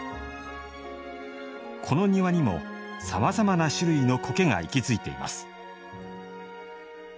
この庭にも、さまざまな種類の苔が息づいています。